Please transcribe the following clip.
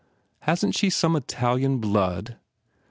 Hasn t she some Italian blood?